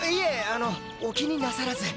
あのお気になさらず。